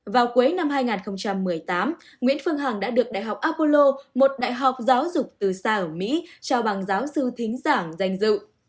vào cuối năm hai nghìn một mươi tám nguyễn phương hằng đã được đại học apollo một đại học giáo dục từ xa ở mỹ trao bằng giáo sư thính giảng danh dự